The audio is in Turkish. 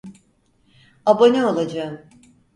Abone olacağım